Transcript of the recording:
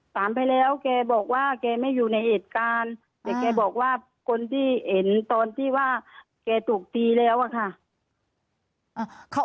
ถามไปแล้วแกบอกว่าแกไม่อยู่ในเหตุการณ์แต่แกบอกว่าคนที่เห็นตอนที่ว่าแกถูกตีแล้วอะค่ะ